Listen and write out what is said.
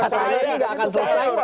ini tidak akan selesai